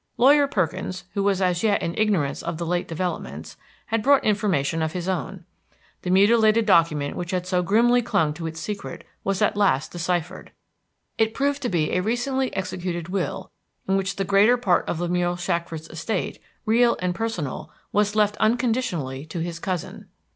Lawyer Perkins, who was as yet in ignorance of the late developments, had brought information of his own. The mutilated document which had so grimly clung to its secret was at last deciphered. It proved to be a recently executed will, in which the greater part of Lemuel Shackford's estate, real and personal, was left unconditionally to his cousin.